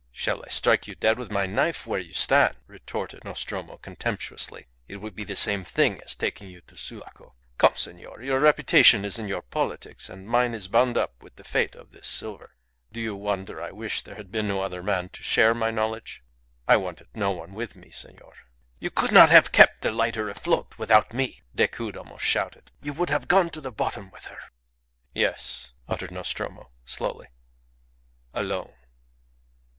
"Shall I strike you dead with my knife where you stand?" retorted Nostromo, contemptuously. "It would be the same thing as taking you to Sulaco. Come, senor. Your reputation is in your politics, and mine is bound up with the fate of this silver. Do you wonder I wish there had been no other man to share my knowledge? I wanted no one with me, senor." "You could not have kept the lighter afloat without me," Decoud almost shouted. "You would have gone to the bottom with her." "Yes," uttered Nostromo, slowly; "alone."